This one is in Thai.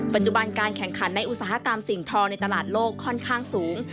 ปัจจุบันการแข่งขันในอุตสาหกรรมสิ่งทอในตลาดโลกค่อนข้างสูง